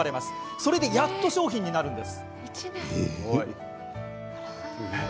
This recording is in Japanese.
それでやっと商品になるんです。